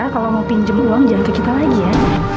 kalau mau pinjam uang jangan ke kita lagi ya